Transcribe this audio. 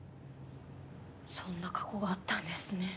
そんな過去があったんですね。